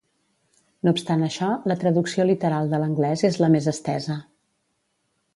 No obstant això, la traducció literal de l'anglès és la més estesa.